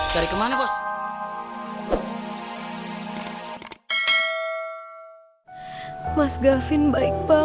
sampai dia pergi tiba tiba